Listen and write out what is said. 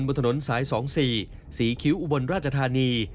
บนถนนสาย๒๔ศรีคิ้วอุบลราชธานี